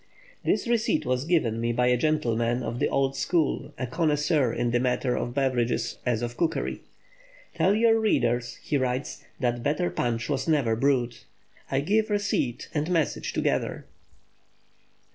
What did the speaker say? This receipt was given me by a gentleman of the old school, a connoisseur in the matter of beverages as of cookery. "Tell your readers," he writes, "that better punch was never brewed." I give receipt and message together.